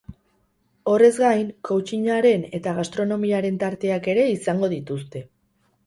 Horrez gain, coaching-aren eta gastronomiaren tarteak ere izango dituzte.